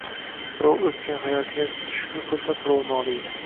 Birov o`tgan hayotiga shukr qilsa, birov noliydi